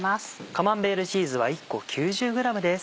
カマンベールチーズは１個９０ｇです。